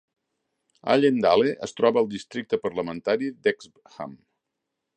Allendale es troba al districte parlamentari de Hexham.